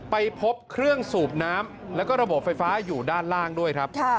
ไปพบเครื่องสูบน้ำแล้วก็ระบบไฟฟ้าอยู่ด้านล่างด้วยครับ